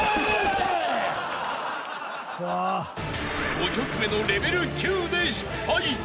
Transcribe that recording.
［５曲目のレベル９で失敗］